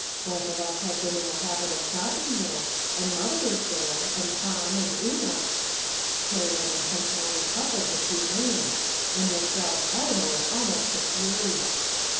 Both of us have been in the habit of stopping there, and mother is there, and Tom and Una —" Perry unintentionally coupled the two names, and this roused Eleanor almost to fury.